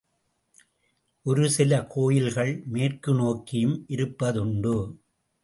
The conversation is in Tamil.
ஒரு சில கோயில்கள் மேற்கு நோக்கியும் இருப்பதுண்டு.